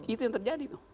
itu yang terjadi